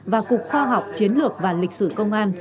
và cục khoa học chiến lược và lịch sử công an